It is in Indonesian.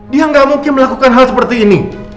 dia nggak mungkin melakukan hal seperti ini